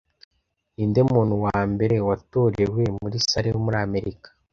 Ninde muntu wa mbere watorewe muri salle yo muri Amerika